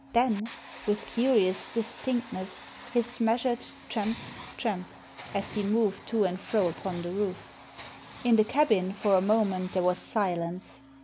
Then, with curious distinctness, his measured tramp, tramp, as he moved to and fro upon the roof. In the cabin for a moment there was silence.